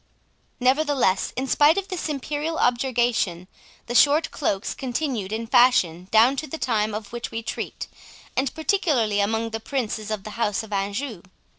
Nevertheless, spite of this imperial objurgation, the short cloaks continued in fashion down to the time of which we treat, and particularly among the princes of the House of Anjou.